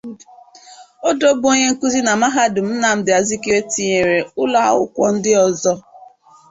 Odoh bu onye nkuzi na Mahadum Nnamdi Azikiwe tinyere ulo akwukwo ndi ozo.